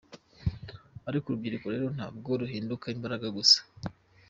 Ariko urubyiruko rero ntabwo ruhinduka imbaraga gusa.